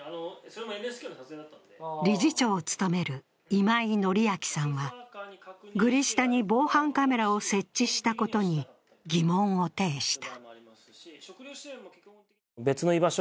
理事長を務める今井紀明さんはグリ下に防犯カメラを設置したことに疑問を呈した。